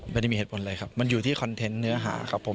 ไม่ได้มีเหตุผลเลยครับมันอยู่ที่คอนเทนต์เนื้อหาครับผม